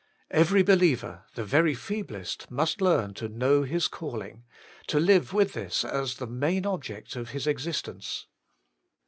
Every be^ liever, the very feeblest, must learn to know his calling — to live zvith this as the main object of this existence.